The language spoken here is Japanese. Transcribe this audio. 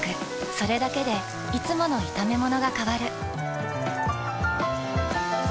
それだけでいつもの炒めものが変わる。